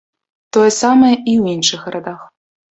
Тое самае і ў іншых гарадах.